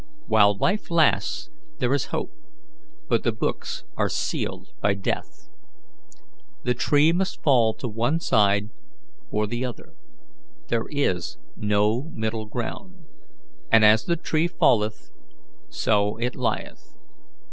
While life lasts there is hope, but the books are sealed by death. The tree must fall to one side or the other there is no middle ground and as the tree falleth, so it lieth.